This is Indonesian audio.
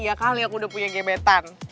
tiga kali aku udah punya gebetan